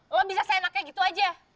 lo bisa seenak kayak gitu aja